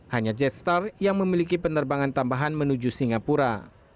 hanya jazztar yang memiliki penerbangan tambahan menuju singapura